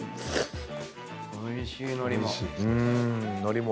おいしい海苔も。